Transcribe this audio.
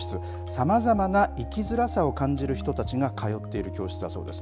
さまざまな生きづらさを感じる人たちが通っている教室だそうです。